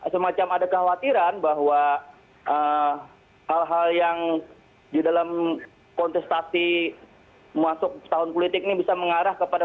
semacam ada kekhawatiran bahwa hal hal yang di dalam kontestasi masuk tahun politik ini bisa mengarah kepada